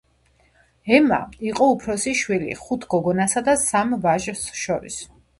ემა იყო უფროსი შვილი ხუთ გოგონასა და სამ ვაჟს შორის.